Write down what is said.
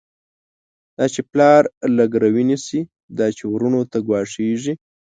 دا چی پلار له ګروی نيسی، دا چی وروڼو ته ګواښيږی